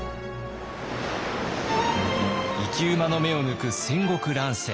生き馬の目を抜く戦国乱世。